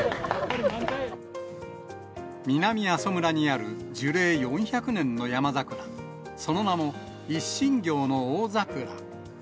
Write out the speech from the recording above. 南阿蘇村にある樹齢４００年のヤマザクラ、その名も一心行の大桜。